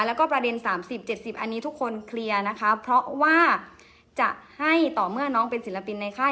แล้วก็ประเด็น๓๐๗๐อันนี้ทุกคนเคลียร์นะคะเพราะว่าจะให้ต่อเมื่อน้องเป็นศิลปินในค่าย